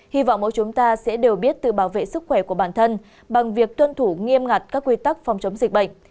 hy vọng mỗi chúng ta sẽ đều biết tự bảo vệ sức khỏe của bản thân bằng việc tuân thủ nghiêm ngặt các quy tắc phòng chống dịch bệnh